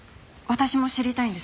私も知りたいんです。